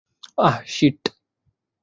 আহ, sheet!